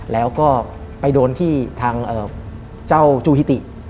แล้วก็ไปโดนที่ทางเจ้าจูฮิติ